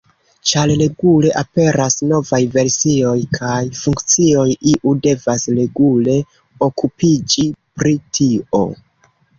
Ĉar regule aperas novaj versioj kaj funkcioj, iu devas regule okupiĝi pri tio.